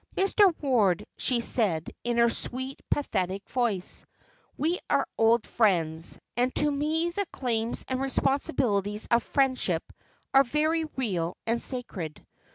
"Mr. Ward," she said, in her sweet, pathetic voice, "we are old friends, and to me the claims and responsibilities of friendship are very real and sacred.